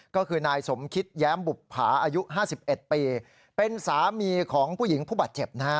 ก็คือนายสมคิดแย้มบุภาอายุ๕๑ปีเป็นสามีของผู้หญิงผู้บาดเจ็บนะฮะ